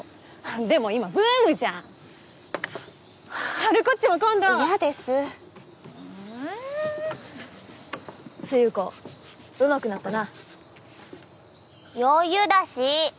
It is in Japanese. でも今ブームじゃん治子っちも今度嫌ですええツユ子うまくなったな余裕だし。